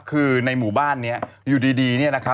คือในหมู่บ้านเนี่ยอยู่ดีเนี่ยนะครับ